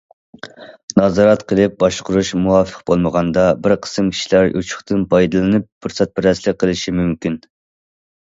نازارەت قىلىپ باشقۇرۇش مۇۋاپىق بولمىغاندا، بىر قىسىم كىشىلەر يوچۇقتىن پايدىلىنىپ پۇرسەتپەرەسلىك قىلىشى مۇمكىن.